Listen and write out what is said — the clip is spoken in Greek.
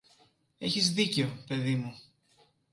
Έχεις δίκαιο, παιδί μου